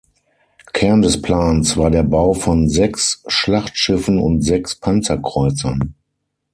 Kern des Plans war der Bau von sechs Schlachtschiffen und sechs Panzerkreuzern.